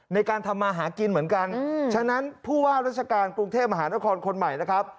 ในการทำมาหากินเหมือนกันฉะนั้นผู้ว่าราชการกรุงเทพมหานครคนใหม่นะครับ